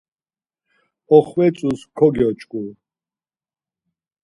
Oxvetzus kogyoç̌ǩu.